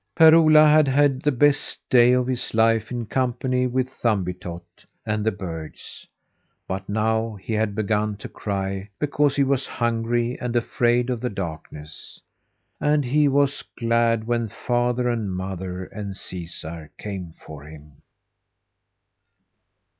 Per Ola had had the best day of his life, in company with Thumbietot and the birds; but now he had begun to cry because he was hungry and afraid of the darkness. And he was glad when father and mother and Caesar came for him.